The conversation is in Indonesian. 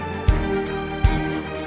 jangan lupa untuk mencoba